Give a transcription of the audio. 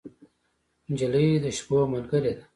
نجلۍ د شپو ملګرې ده.